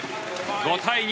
５対２。